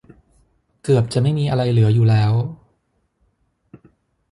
เกือบจะไม่มีอะไรเหลืออยู่แล้ว